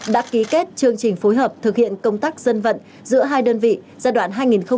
đã ký kết chương trình phối hợp thực hiện công tác dân vận giữa hai đơn vị giai đoạn